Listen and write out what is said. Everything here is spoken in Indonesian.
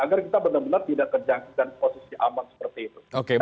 agar kita benar benar tidak terjangkit dalam posisi aman seperti itu